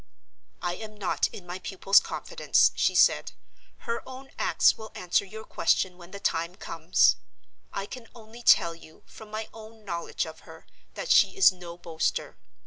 "I am not in my pupil's confidence," she said. "Her own acts will answer your question when the time comes. I can only tell you, from my own knowledge of her, that she is no boaster.